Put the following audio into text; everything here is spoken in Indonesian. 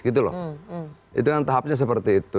itu kan tahapnya seperti itu